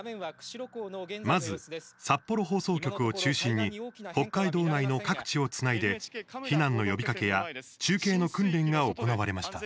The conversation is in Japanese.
まず、札幌放送局を中心に北海道内の各地をつないで避難の呼びかけや中継の訓練が行われました。